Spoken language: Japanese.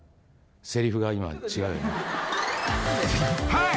［はい。